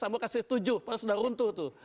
saya mau kasih tujuh pas sudah runtuh tuh